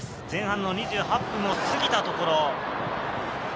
前半の２８分を過ぎたところ。